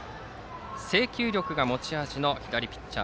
制球力が持ち味の左ピッチャー。